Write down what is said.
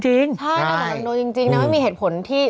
ใช่นางโดนจริงนางไม่มีเหตุผลที่